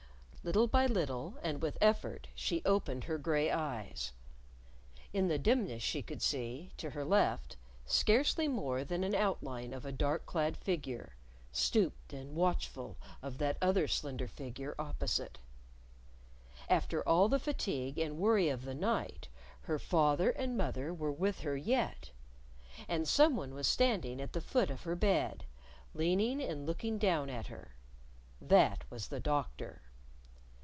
Little by little, and with effort, she opened her gray eyes. In the dimness she could see, to her left, scarcely more than an outline of a dark clad figure, stooped and watchful; of that other slender figure opposite. After all the fatigue and worry of the night, her father and mother were with her yet! And someone was standing at the foot of her bed, leaning and looking down at her. That was the Doctor.